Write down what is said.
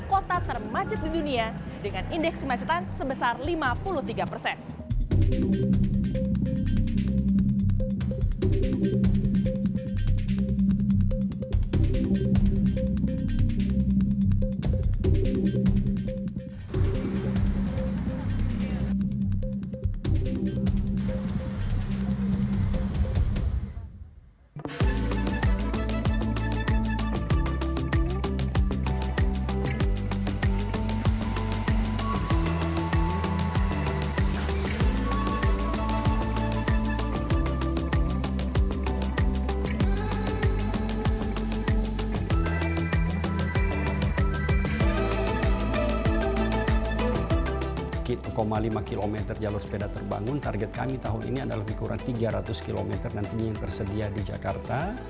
satu lima km jalur sepeda terbangun target kami tahun ini adalah lebih kurang tiga ratus km nantinya yang tersedia di jakarta